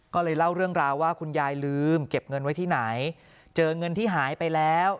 ก็เลยเล่าเรื่องราวว่าคุณยายลืมเก็บเงินไว้ที่ไหนเจอเงินที่หายไปแล้ว